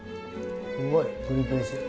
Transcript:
すごいプリプリして。